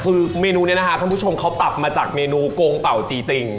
คือเมนูนี้นะคะท่านผู้ชมเขาปรับมาจากเมนูโกงเต่าจีติ่ง